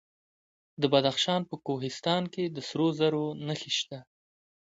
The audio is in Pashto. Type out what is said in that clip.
د بدخشان په کوهستان کې د سرو زرو نښې شته.